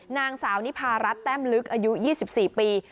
นางสาวนิพารัฐแต้มลึกอายุ๒๔ปี